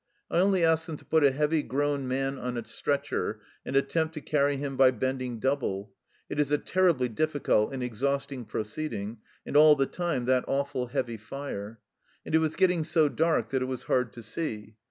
I only ask them to put a heavy grown man on a stretcher and attempt to carry him by bending double ; it is a terribly difficult and exhausting proceeding, and all the time that awful heavy fire. And it was getting so dark that it was hard to see.